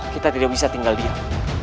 kita tidak bisa tinggal diam